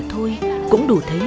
phở thôi cũng đủ thấy